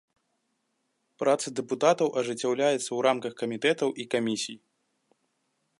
Праца дэпутатаў ажыццяўляецца ў рамках камітэтаў і камісій.